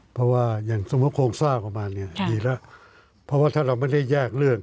เพราะว่าอย่างสมมุติโครงสร้างของมันเนี่ยดีแล้วเพราะว่าถ้าเราไม่ได้แยกเรื่อง